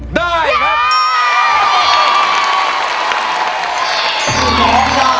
ได้ครับ